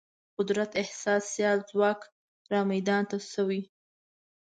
قدرت احساس سیال ځواک رامیدان ته شوی.